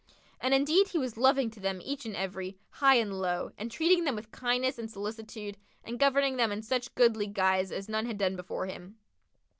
And indeed he was loving to them each and every, high and low, entreating them with kindness and solicitude and governing them in such goodly guise as none had done before him.